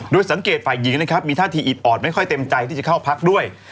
โดยสังเกตฝ่ายหญิงนะครับมีท่าทีอิดออดไม่ค่อยเต็มใจที่จะเข้าพักด้วย